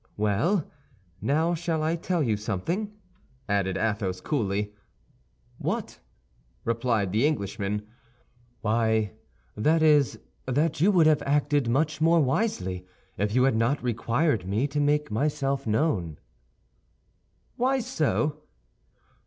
"Well! now shall I tell you something?" added Athos, coolly. "What?" replied the Englishman. "Why, that is that you would have acted much more wisely if you had not required me to make myself known." "Why so?"